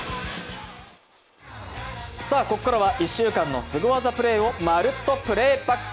ここからは１週間のスゴ技プレーを「まるっと！Ｐｌａｙｂａｃｋ」。